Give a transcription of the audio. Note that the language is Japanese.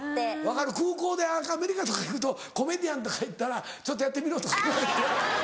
分かる空港でアメリカとか行くと「コメディアン」とか書いてたら「ちょっとやってみろ」とか言われて。